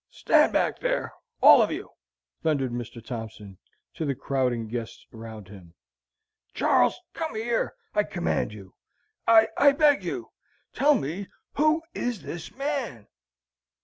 "Stand back, there, all of you," thundered Mr. Thompson, to the crowding guests around him. "Char les come here! I command you I I I beg you tell me WHO is this man?"